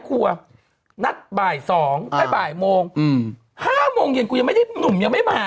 จัดรายการเหมือนพรตดำนั่นละ